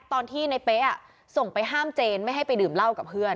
ตอนที่ในเป๊ะส่งไปห้ามเจนไม่ให้ไปดื่มเหล้ากับเพื่อน